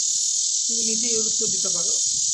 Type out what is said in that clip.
তুমি নিজেই এর উত্তর দিতে পারো।